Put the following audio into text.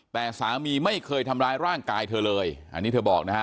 แต่สามีไม่เคยทำร้ายร่างกายเธอเลยอันนี้เธอบอกนะฮะ